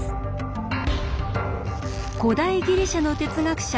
古代ギリシャの哲学者